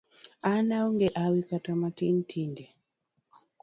An aonge hawi kata matin tinde.